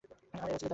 আর এরা ছিল জালিম।